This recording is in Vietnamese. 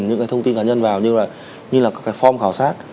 đưa cho các đối tượng chủ động điền những thông tin cá nhân vào như là các form khảo sát